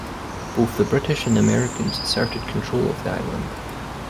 Both the British and Americans asserted control of the island.